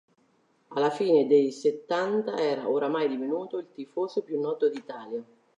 Alla fine dei settanta era oramai divenuto il tifoso più noto d'Italia.